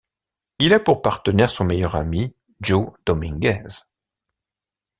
Il a pour partenaire son meilleur ami, Joe Dominguez.